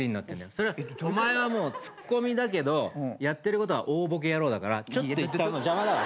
それはお前はもうツッコミだけどやってることは大ボケ野郎だから邪魔だわ。